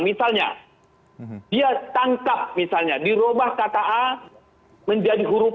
misalnya dia tangkap misalnya dirubah kata a menjadi huruf